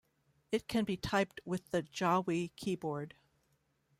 It can be typed with the Jawi keyboard.